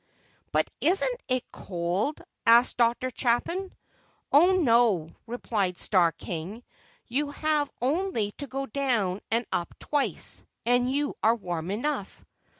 "But isn't it cold?" asked Dr. Chapin. "Oh, no," replied Starr King; "you have only to go down and up twice, and you are warm enough."